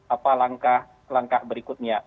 apa langkah langkah berikutnya